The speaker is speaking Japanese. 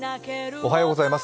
おはようございます。